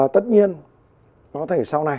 tất nhiên có thể sau này